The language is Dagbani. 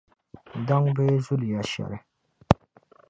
daŋ bɛɛ zuliya shɛli.